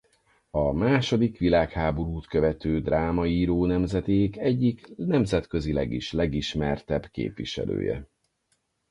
A második világháborút követő drámaíró nemzedék egyik nemzetközileg is legismertebb képviselője.